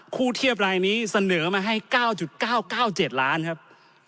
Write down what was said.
เทียบรายนี้เสนอมาให้๙๙๙๗ล้านครับ